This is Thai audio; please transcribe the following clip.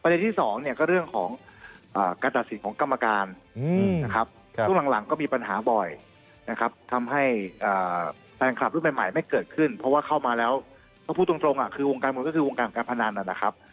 ที่สองเนี่ยก็เรื่องของการตัดสินของกรรมการนะครับช่วงหลังก็มีปัญหาบ่อยนะครับทำให้แฟนคลับรุ่นใหม่ไม่เกิดขึ้นเพราะว่าเข้ามาแล้วต้องพูดตรงคือวงการมวยก็คือวงการการพนันนะครับ